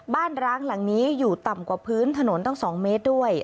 ร้างหลังนี้อยู่ต่ำกว่าพื้นถนนตั้ง๒เมตรด้วย